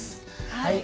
はい。